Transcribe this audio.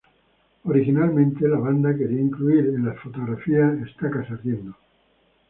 Originalmente, la banda quería incluir en las fotografías estacas ardiendo.